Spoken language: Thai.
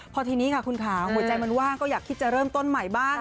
พอทีนี้ค่ะคุณขาวหัวใจมันว่างก็อยากคิดจะเริ่มต้นใหม่บ้าง